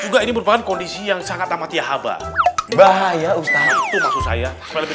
juga ini berbahan kondisi yang sangat amat yahaba bahaya ustaz itu maksud saya lebih